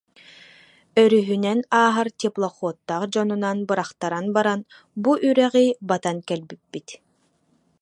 Өрүһүнэн ааһар теплоходтаах дьонунан бырахтаран баран, бу үрэҕи батан кэлбиппит